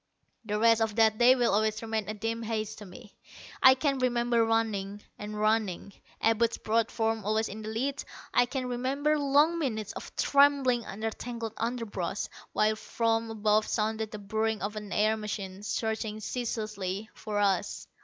The rest of that day will always remain a dim haze to me. I can remember running, running, Abud's broad form always in the lead. I can remember long minutes of trembling under tangled underbrush, while from above sounded the burring of an air machine searching ceaselessly for us.